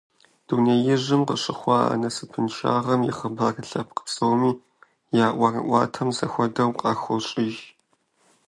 Дунеижьым къыщыхъуа а насыпыншагъэм и хъыбар лъэпкъ псоми я ӀуэрыӀуатэм зэхуэдэу къахощыж.